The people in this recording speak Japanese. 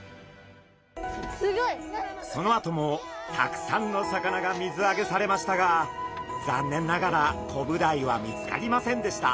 そのあともたくさんの魚が水あげされましたが残念ながらコブダイは見つかりませんでした。